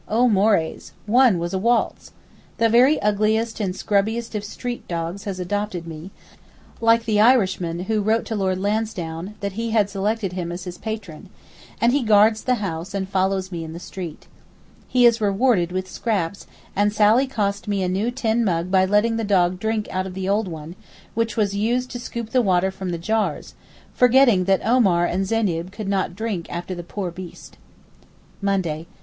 O mores! one was a waltz. The very ugliest and scrubbiest of street dogs has adopted me—like the Irishman who wrote to Lord Lansdowne that he had selected him as his patron—and he guards the house and follows me in the street. He is rewarded with scraps, and Sally cost me a new tin mug by letting the dog drink out of the old one, which was used to scoop the water from the jars, forgetting that Omar and Zeyneb could not drink after the poor beast. Monday.